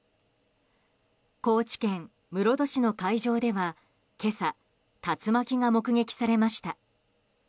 高知県室戸市の海上では今朝、竜巻が目撃されました。